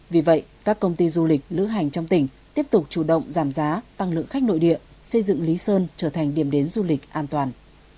vì vậy các công ty du lịch lữ hành trong tỉnh tiếp tục chủ động giảm giá tăng lượng khách nội địa xây dựng lý sơn trở thành điểm đến du lịch an toàn